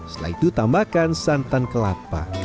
setelah itu tambahkan santan kelapa